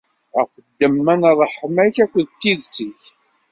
Ɣef ddemma n ṛṛeḥma-k akked tidet-ik!